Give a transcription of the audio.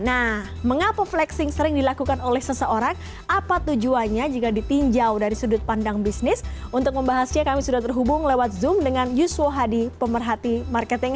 nah mengapa flexing sering dilakukan oleh seseorang apa tujuannya jika ditinjau dari sudut pandang bisnis untuk membahasnya kami sudah terhubung lewat zoom dengan yuswo hadi pemerhati marketing